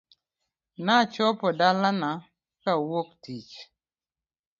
Nachopo dalana kawuok tich .